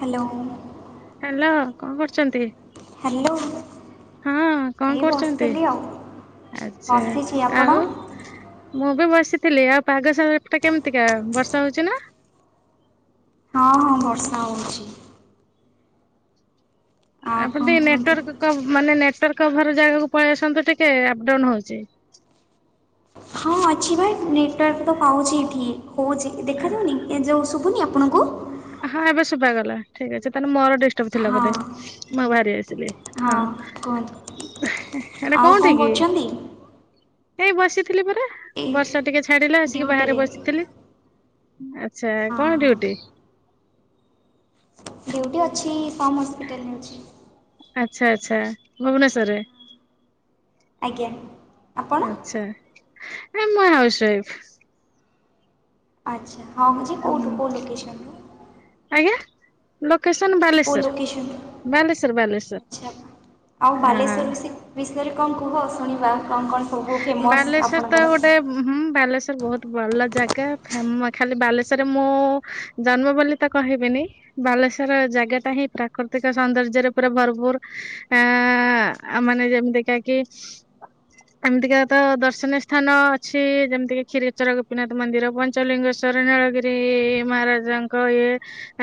Hello. Hello କଣ କରୁଛନ୍ତି? Hello ହଁ ଏଇ କଣ କରୁଛନ୍ତି। ବସିଥିଲି ଆଉ ଆଛା ବସିଛି ଆପଣ ଆଉ ମୁଁ ବି ବସି ଥିଲି ଆଉ ପାଗସାଗଟା କେମିତିକା ବର୍ଷା ହଉଛି ନା। ହଁ ହଁ ବର୍ଷା ହଉଛି। ଆ ଟ କ'ଣ କୁହନ୍ତୁ ନେଟୱର୍କ କମ୍ ମାନେ ନେଟୱର୍କ ଖ ଘର ଜାଗାକୁ ପଳେଇ ଆସନ୍ତୁ ଟିକେ ଅପ୍ ଡାଉନ ହଉଛି। ହଁ ଅଛି ଭାଇ ନେଟୱାର୍କ ତ ପାଉଛି ଏଠି। ହୋଉଛି ଦେଖାଯାଉନି ଏ ଯୋଉ ଶୁଭୁନି ଆପଣଙ୍କୁ। ହଁ ଏବେ ଶୁଭାଗଲା ଠିକ୍ ଅଛି ତାହେଲେ ମୋର ଡି ଟପ୍ ଥିଲା ହଁ ବୋଧେ ମୁଁ ବାହାରି ଆସିଲି ହଁ। ହେଟା ଆଉ କ'ଣ କୋଉଠି କି? [inaudible] ଏଇ ବସିଥିଲି ପରା ଏ ବର୍ଷା ଟିକେ ଛାଡିଲା ଆସିକି ବାହାରେ ଡ୍ୟୁଟିରେ ବସିଥିଲି। ଆଚ୍ଛା ହଁ କଣ ହଁ ଡିଉଟି? ଡୁଟି ଅଛି ଫମ୍ ହସ୍ପିଟାଲରେ ଅଛି। ଆଚ୍ଛା ଆଚ୍ଛା ଭୁବନେଶ୍ୱର ରେ। ଆଜ୍ଞା। ଆପଣ ଆଚ୍ଛା ନାଇଁ ମୁଁ ହାଉସୱାଇଫ। ଆଚ୍ଛା ହଁ ହଁ ଯେ କେଉଁଠୁ କେଉଁ ଲୋକେସନ୍ ରୁ? ଲୋକେଶନ ଲୋକେସନରୁ ବାଲେଶ୍ଵର ବାଲେଶ୍ଵର ଆଚ୍ଛା ବାଲେଶ୍ଵର। ଆଉ ଅ ବାଲେଶ୍ଵର ବିଷୟରେ କଣ କୁହ ଶୁଣିବା କଣ କଣ ସବୁ ଫେମସ୍ ବାଲେଶ୍ୱର ତ ଆପଣଙ୍କର? ଗୋଟେ ହୁଁ ବାଲେଶ୍ଵର ବହୁତ ଭଲ ଜାଗା ଫାମ୍ ଖାଲି ବାଲେଶ୍ୱର ରେ ମୁଁ ଜନ୍ମ ବୋଲି ତ କହିବିନି ବାଲ୍ ସେଶ୍ୱର ଜାଗା ଟା ହିଁ ପ୍ରାକୃତିକ ସୌନ୍ଦର୍ଯ୍ୟରେ ପୁରା ଭରପୁର ଆଁ ମାନେ ଦେଖା କି [inaudible] ଏମିତିକା ତ ଦର୍ଶନୀୟ ସ୍ଥାନ ଅଛି ଯେମିତି କି କ୍ଷୀରେଶ୍ୱର ଗୋପୀନାଥ ମନ୍ଦିର ପଞ୍ଚଲିଙ୍ଗେଶ୍ୱର ନୀଳ ଗିରି ମହାରାଜାଙ୍କ ଇଏ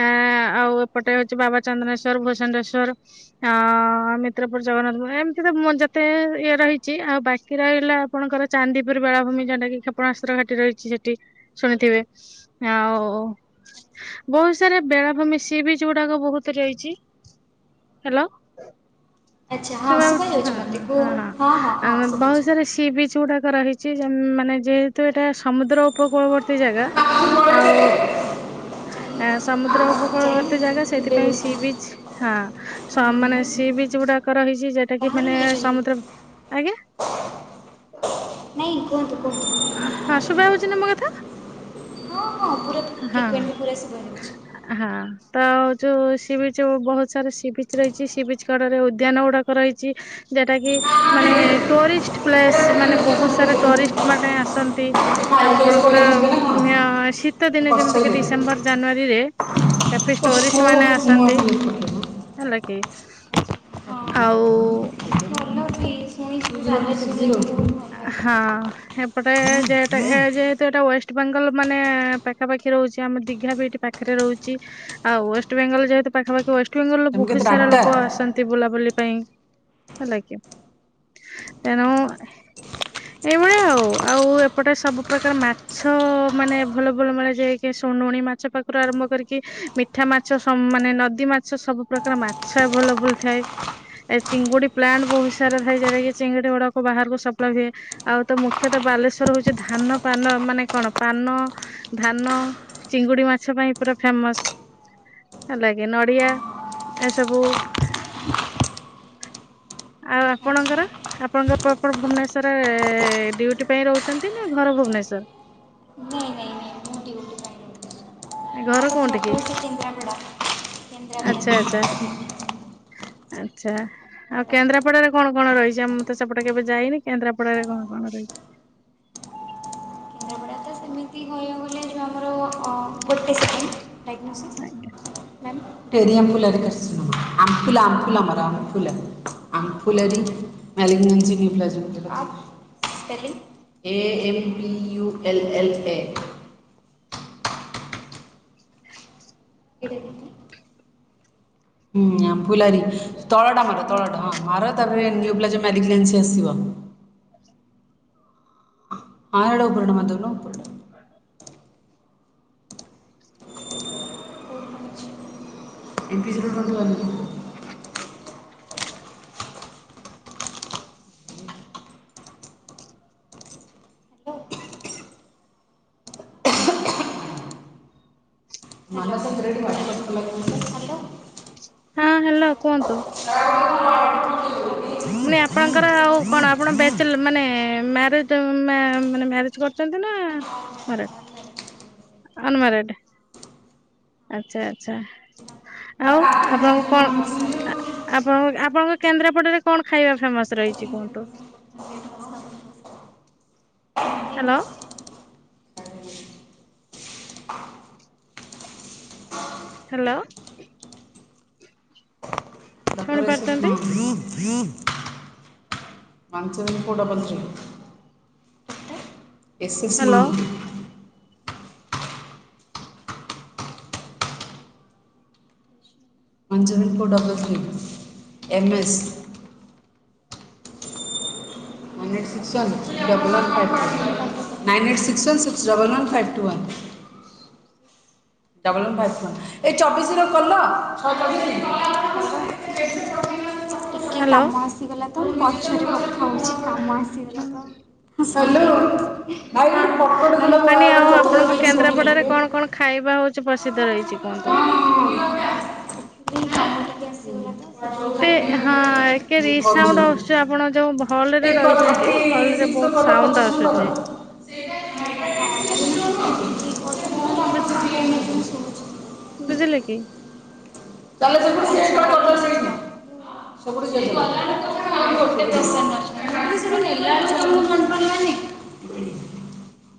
ଆଁ ଆଉ ଏପଟେ ହଉଛି ବାବା ଚନ୍ଦ୍ରେଶ୍ଵର ଭୂଷ ଶ୍ଵର ଆ ମିତ୍ରପୁର ଜଗନ୍ନାଥ ପୁର ଏମିତି ତ ମୁଁ ଯେତେ ଇଏ ଇଏ ରହିଛି ଆଉ ବା ବାକି ରହିଲା ଆପଣଙ୍କର ଚାନ୍ଦିପୁର ବେଳାଭୂମି ଯଉଟା କି କ୍ଷେପଣାସ୍ତ୍ର ଘାଟି ରହିଛି ସେଠି ଶୁଣିଥିବେ। ଆଁ ଓ। ବହୁତ ସାରା ବେଳାଭୂମି ସି ବିଜ ଗୁଡାକ ବହୁତ ଯାଇଛି। ହ୍ୟାଲୋ ଆଚ୍ଛା ହଁ ଶୁଭା ଯାଉଛି ଶୁଭାଯାଉଛି ହଁ ମୋତେ ହଁ କୁହ ହଁ ହଁ ହଁ ଆ ବହୁ ଶୁଭୁଛି। ବ୍ରିଜ୍ ଗୁଡାକ ରହିଛି ଯେ ମାନେ ଯେହେତୁ ଏଇଟା ସମୁଦ୍ର ଉପକୂଳବର୍ତ୍ତୀ ଜାଗା। ଆଉ ଏ ସମୁଦ୍ର ଉପକୂଳବର୍ତ୍ତୀ ଜାଗା ଯାଇନାହାନ୍ତି ଏବେ ସେଥିପାଇଁ ସି ଗୋଟେ ବିଚ। ହଁ ସ ମାନେ ସି ବିଚ ଗୁଡାକ ରହିଛି ଯେଟା କି ବାହାରୁ ମାନେ ହେଇଛନ୍ତି ସମୁଦ୍ର ବୋଧେ ଆଜ୍ଞା। ନାଇଁ କୁହନ୍ତୁ କୁହନ୍ତୁ। ହଁ ଶୁଭା ଯାଉଛି ନା ମୋ କଥା? ହଁ ହଁ ପୁରା ହଁ ଫ୍ରିକ୍ୱେଣ୍ଟଲି ପୁରା ଶୁବା ଯାଉଛି। ହଁ ତ ଯୋଉ ସି ବିଚ ବହୁତ ସାରା ସିି ବିଚ ରହିଛି ସି ବିଚ କଡରେ ଉଦ୍ୟାନ ଗୁଡାକ। ରହିଛି ଯୋଉଟା କି ମାନେ ଟୋରିଷ୍ଟ ପ୍ଲେସ କରିକି ସେମାନେ ବହୁତ ସାରା ଟରିଷ୍ଟ ମାନେ ଆସନ୍ତି ଆପଣଙ୍କର ଯିବେ ନା କଣ? ଆଃ ଶୀତ ଦିନ ଯେମିତିକ କରିସାରିଲେଣି ଡିସେମ୍ବର ଜାନୁଆରୀ। ରେ କାଫି ଓହୋ ଟୋରିଷ୍ଟ ମାନେ ମୁଁ ଆସନ୍ତି। ଆଉ ଲେଟ୍ କରିଦେଲି। ହେଲା କି ହଁ ଆଉ ଭଲ ଟି ଶୁଣିଛୁ [inaudible] ହଁ ଏପଟେ ଯେଟା ଏ ଯେହେତୁ ଏଟା ୱେଷ୍ଟ ବେଙ୍ଗଲ ମାନେଏ ପାଖାପାଖି ରହୁଛି। ଆମ ଦିଘା ବି ପାଖରେ ରଉଛି ଆଉ ୱେଷ୍ଟବେଙ୍ଗଲ ଜେହେତୁ ପାଖାପାଖି ୱେ ବେଙ୍ଗଲରେ ତମେ ବହୁତ କେତେ ସାରା ଆଠଟା? ଲୋକ ଆସନ୍ତି ବୁଲା ବୋଲି ପାଇଁ ହେଲାକି ତେଣୁ [inaudible] ଏଇ ଭଳିଆ ଆଉ ଆଉ ଏପଟେ ସବୁ ପ୍ରକାର ମାଛ ମାନେ ଭଲ ଭଲ ମିଳେ ଯାଇକି ଶୁନୁଣି ମାଛ ପାଖରୁ ଆରମ୍ଭ କରିକି ମିଠା ମାଛ ସ ମାନେ ନଦୀ ମାଛ ସବୁ ପ୍ରକାର ମାଛ ଭଲ ଭଲ ଥାଏ ଏ ଚିଙ୍ଗୁଡି ପ୍ଲାଣ୍ଟ ବହୁତ ସାରା ଥାଏ ଯୋଉଟାକି ଚିଙ୍ଗୁଡି ଗୋଡାକୁ ବାହାରକୁ ସବୁ ଲଗଏ ଆଉ ତ ମୁଖ୍ୟତଃ ବାଲେଶ୍ୱର ହଉଛି ଧାନ ପାନ ମାନେ କଣ ପାନ ଧାନ ଅ ଚିଙ୍ଗୁଡି ମାଛ ପାଇଁ ପୁରା ଫେମସ। ହେଲାଗି ନଡିଆ ଏସବୁ ଆଉ ଆଚ୍ଛା ଆପଣଙ୍କର ଆପଣଙ୍କ ପ୍ରପର ଭୁବନେଶ୍ଵର ଏ ଡିଉଟି ପାଇଁ ରହୁଛନ୍ତି ନା ଘର ଭୁବନେଶ୍ୱର। ନାଇଁ ନାଇଁ ନାଇଁ ମୁଁ ଡିଉଟି ପା ଘର କୋଉଠ କି? ସେ କେନ୍ଦ୍ରାପଡ଼ା କେନ୍ଦ୍ରାପଡ଼ା ଆଚ୍ଛା କେନ୍ଦ୍ରାପଡ଼ା ଆଚ୍ଛା। [unintelligible] ଆଚ୍ଛା ଆଉ କେନ୍ଦ୍ରାପଡ଼ା କେନ୍ଦ୍ରାପଡାରେ କଣ କଣ ରହିଛି ଆ ମୁଁ ତେ ସେପଟେ କେବେ ଯାଇନି କେନ୍ଦ୍ରାପଡାରେ କଣ କଣ ରହିଛି? [unintelligible] ତ ସେମିତି କହିବାକୁ ଗଲେ ଯେଉଁ ଆମର ଅ ଗୋଟେ [unintelligible] ଟେରିୟମ୍ ଫୁଲାରକାସନ ଆମଫୁଲା ଆମଫୁଲା ଆମର ଆମଫୁଲା ଆମଫୁଲାରି ମାୟ [unintelligible] - A M PU L L ଏ [unintelligible] ଏଇଟା ଦେଖି ଆମଫୁଲାରି ତଳଟା ମାର ତଳଟା ହଁ ମାର ତାପରେ ନିୟୁ ପ୍ଲାଜ [unintelligible] ଆସିବ ହଁ ଏଟା ଉପରଟା ମାରିଦଉନ ଉପରଟା। [inaudible] ହଁ ହ୍ୟାଲୋ କୁହନ୍ତୁ? ପୁଣି ଆପଣଙ୍କର ଆଉ କଣ ଆପଣ ବ୍ୟାଚ ମାନେ ମାରେଜ ମା-ମାନେ ମ୍ୟାରେଜ କରିଛନ୍ତି? ହ ମ୍ୟାରେଡ ଅନମ୍ୟାରେଡ଼। ଆଚ୍ଛା ଆଚ୍ଛା। ଆଉ ଆପଣଙ୍କୁ କଣ ଆ ଆପଣଙ୍କ ଆପଣଙ୍କ କେନ୍ଦ୍ରାପଡରେ କଣ ଖାଇବା ଫେମସ ର ରହିଛି କୁହନ୍ତୁ। ହଁ। Hello hello. ପାରୁଛନ୍ତି [unintelligible] one seven four double three. Yes yes hello ମାହା one seven four double three M S. ସିକ୍ସାନ୍ ଡବ୍ଲାନ୍ one five nine eight six one six double one five two one. [unintelligible] Double one five one ଏଇ ଚବିଶି ର କଲ [unintelligible] ଟିକେ hello କାମ ଆସିଗଲା ତ ପଛରେ କଥା ହଉଛି କାମ ଆସିଗଲା ହଁ ତ। ହାଲୋ। ହଁ ମୁଁ କନି ଆଉ ଆପଣଙ୍କ ଶୁଣିବି କେନ୍ଦ୍ରାପଡାରେ ଟିକେ କଣ କଣ ଖାଇବା ହୋଉ ପ୍ରସିଦ୍ଧ ରହିଛି କୁହନ୍ତୁ। ଏଇ କାମ ଟିକେ ଆସିଗଲା ତ ସେଥିପାଇଁ ତେ ହାଁଏ କିଏ ମୁଁ କରୁଛି ରିସଉଣ୍ଡ ଆସୁଚ ଆପଣ ଯୋଉ ହଲରେ ଏ ରହିଚନ୍ତି ଥାର୍ଟି ହଲରେ ବୋହୁତ ସାଉଣ୍ଡ ଆସୁଚି। [unintelligible] ନୁହଁ ଗୋଟେ ବୁଝି ବୁଝିଲେ କି? [unintelligible] [unintelligible] ଏ